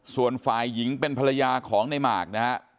ส่วนฝ่ายหญิงเป็นภรรยาของในหมากนะฮะ